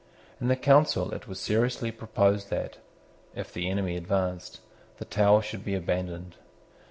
In the Council it was seriously proposed that, if the enemy advanced, the Tower should be abandoned.